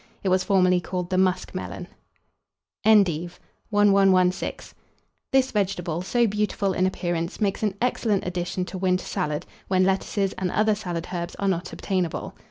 It was formerly called the Musk Melon. ENDIVE. [Illustration: ENDIVE.] 1116. This vegetable, so beautiful in appearance, makes an excellent addition to winter salad, when lettuces and other salad herbs are not obtainable.